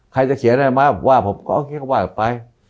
ใครจะเขียนอะไรมาว่าผมก็โอเคก็ว่าไป